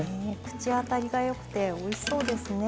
口当たりがよくておいしそうですね。